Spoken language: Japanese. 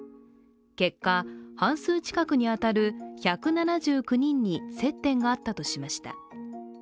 結果、半数近くに当たる１７９人に接点があったとしました。